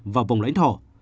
và vòng lãnh thổ